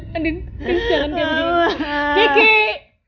handi handi jangan kayak begini